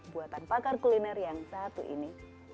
buatan pakar kuliner yang satu ini